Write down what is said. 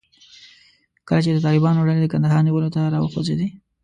کله چې د طالبانو ډلې د کندهار نیولو ته راوخوځېدې.